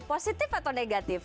positif atau negatif